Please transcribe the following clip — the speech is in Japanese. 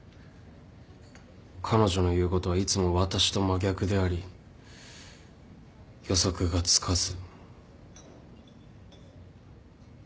彼女の言うことはいつも私と真逆であり予測がつかず。